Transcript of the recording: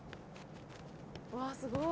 うわすごい！